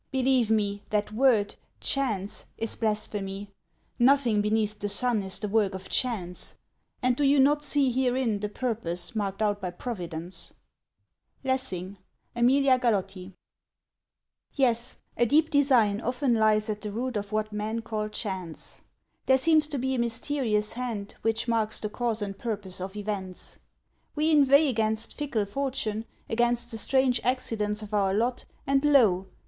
Believe me, that word, chance, is blasphemy; nothing beneath the sun is the work of chance ; and do you not see herein the purpose marked out by Providence ?— LESSIXG : Emilia Galotti. YES, a deep design often lies at the root of what men call chance. There seems to be a mysterious hand which marks the cause and purpose of events. We in veigh against fickle fortune, against the strange accidents of our lot, and lo